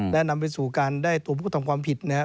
และนำไปสู่การได้ตัวผู้ทำความผิดนะครับ